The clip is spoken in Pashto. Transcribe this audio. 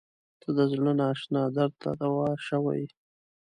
• ته د زړه نااشنا درد ته دوا شوې.